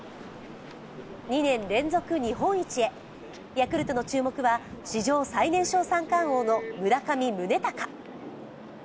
２年連続日本一へ、ヤクルトの注目は史上最年少三冠王の村上宗隆。